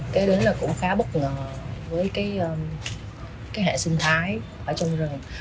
kế đến là cũng khá bất ngờ với hệ sinh thái ở trong rừng